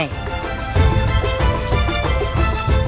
nyai tunggu dulu nyai